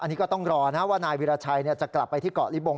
อันนี้ก็ต้องรอนะว่านายวิราชัยจะกลับไปที่เกาะลิบง